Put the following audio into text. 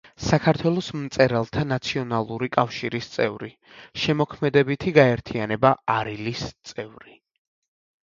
საქართველოს მწერალთა ნაციონალური კავშირის წევრი, შემოქმედებითი გაერთიანება „არილის“ წევრი.